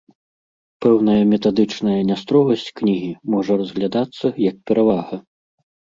Пэўная метадычная нястрогасць кнігі можа разглядацца як перавага.